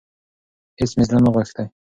هيڅ مي زړه نه غوښتی .